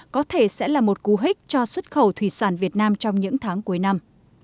có thể sẽ là một cú hích cho xuất khẩu thủy sản việt nam trong những tháng cuối năm